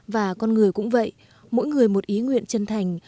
và con người cũng vậy mỗi người một ý nguyện chân thành